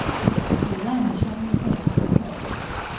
腐爛的生物會發臭